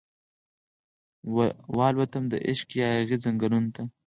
والوتم دعشق یاغې ځنګلونو ته